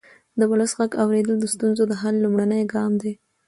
د ولس غږ اورېدل د ستونزو د حل لومړنی ګام دی